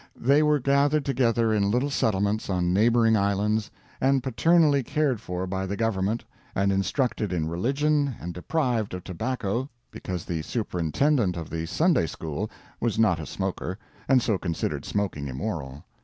They were gathered together in little settlements on neighboring islands, and paternally cared for by the Government, and instructed in religion, and deprived of tobacco, because the superintendent of the Sunday school was not a smoker, and so considered smoking immoral.